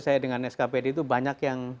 saya dengan skpd itu banyak yang